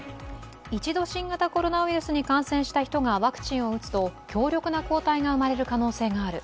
一度新型コロナウイルスに感染した人がワクチンを打つと強力な抗体が生まれる可能性がある。